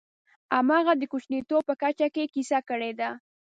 همغه د کوچنیتوب په کچه یې کیسه کړې ده.